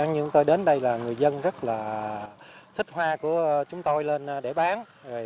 nhưng tôi đến đây là người dân rất là thích hoa của chúng tôi lên để bán